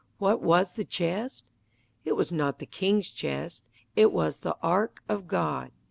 What was the chest? It was not the king's chest; it was the ark of God.